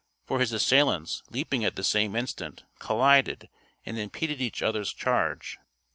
For his assailants, leaping at the same instant, collided and impeded each other's charge.